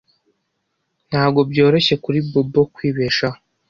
Ntabwo byoroshye kuri Bobo kwibeshaho.